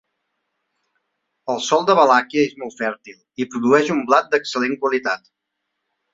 El sòl de Valàquia és molt fèrtil i produeix un blat d'excel·lent qualitat.